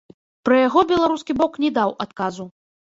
Пра яго беларускі бок не даў адказу.